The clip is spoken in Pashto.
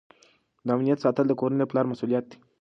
د امنیت ساتل د کورنۍ د پلار مسؤلیت دی.